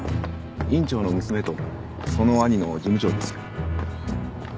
院長の娘とその兄の事務長ですよ。